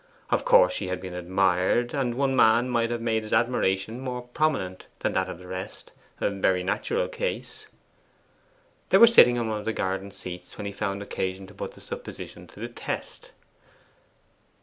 Of course she had been admired; and one man might have made his admiration more prominent than that of the rest a very natural case. They were sitting on one of the garden seats when he found occasion to put the supposition to the test.